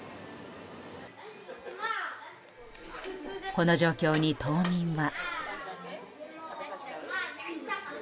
この状況に島民は。